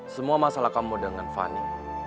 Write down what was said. semua masalah kamu dengan fanny